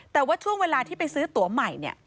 แต่ว่าช่วงเวลาที่ไปซื้อตัวใหม่เนี่ย